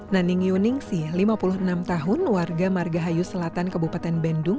nanning yuningsi lima puluh enam tahun warga margahayu selatan kebupaten bendung